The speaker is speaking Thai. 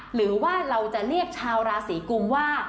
หรือว่าเราจะเรียกชาวราศีกุมว่า